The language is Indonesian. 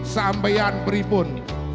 sang bayan peribun